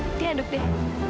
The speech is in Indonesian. nanti aduk deh